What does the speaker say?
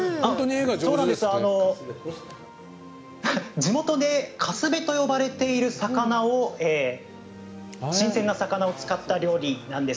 地元でカスベと呼ばれている新鮮な魚を使った料理なんです。